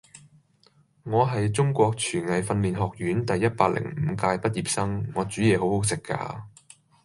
我係中國廚藝訓練學院第一百零五屆畢業生，我煮嘢好好食㗎